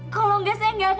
nontalita bisa ditemukan